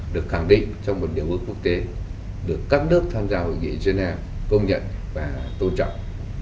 được khẳng định trong một điều ước quốc tế được các nước tham gia hội nghị geneva công nhận và tôn trọng